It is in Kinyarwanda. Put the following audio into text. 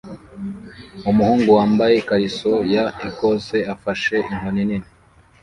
Umuhungu wambaye ikariso ya Ecosse afashe inkoni nini